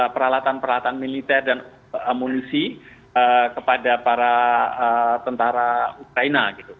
peralatan peralatan militer dan amunisi kepada para tentara ukraina gitu